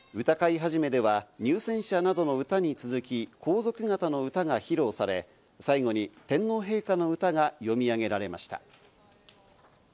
歌会始では入選者などの歌に続き、皇族方の歌が披露され、最後に天皇陛下の歌が詠み上げられました。